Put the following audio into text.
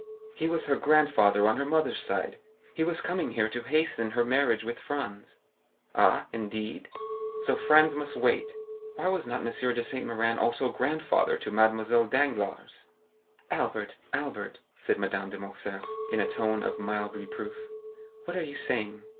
"He was her grandfather on the mother's side. He was coming here to hasten her marriage with Franz." "Ah, indeed!" "So Franz must wait. Why was not M. de Saint Méran also grandfather to Mademoiselle Danglars?" "Albert, Albert," said Madame de Morcerf, in a tone of mild reproof, "what are you saying?